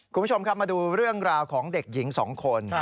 คุณผู้ชมครับมาดูเรื่องราวของเด็กหญิง๒คน